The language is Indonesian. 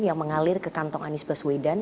yang mengalir ke kantong anies baswedan